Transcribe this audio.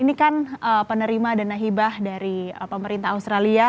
ini kan penerima dana hibah dari pemerintah australia